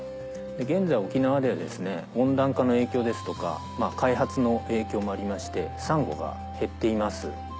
現在沖縄では温暖化の影響ですとか開発の影響もありましてサンゴが減っています。